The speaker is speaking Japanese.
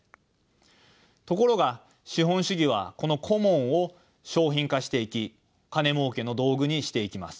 ところが資本主義はこのコモンを商品化していき金もうけの道具にしていきます。